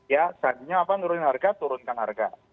ya saatnya apa nurunin harga turunkan harga